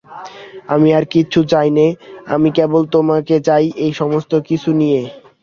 আমি আর কিচ্ছু চাই নে, আমি কেবল তোমাকে চাই এই সমস্ত কিছু নিয়ে।